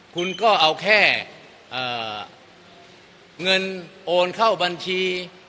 คุณก็เอาแค่เงินโอนเข้าบัญชี